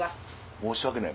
申し訳ない！